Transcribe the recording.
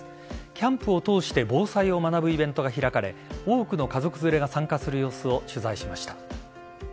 キャンプを通して防災を学ぶイベントが開かれ多くの家族連れが参加する様子を取材しました。